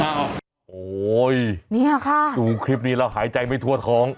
โอ้โหเนี่ยค่ะดูคลิปนี้แล้วหายใจไม่ทั่วท้อง